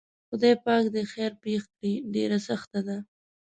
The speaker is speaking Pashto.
خدای پاک دې خیر پېښ کړي ډېره سخته ده.